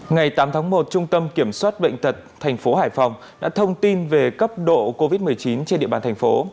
ngày tám tháng một trung tâm kiểm soát bệnh tật thành phố hải phòng đã thông tin về cấp độ covid một mươi chín trên địa bàn thành phố